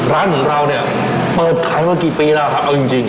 ร้านเหนือเรานี่เปิดขายเมื่อกี่ปีแล้วครับเอาจริง